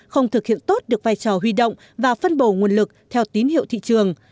không thực hiện tốt được vai trò huy động và phân bổ nguồn lực theo tín hiệu thị trường